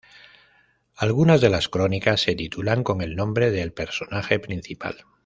Algunas de las crónicas se titulan con el nombre del personaje principal.